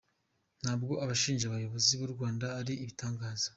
Ntabwo abashinja abayobozi b’u Rwanda ari ibitangaza.